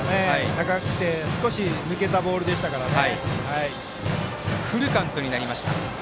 高くて少し抜けたボールでしたからね。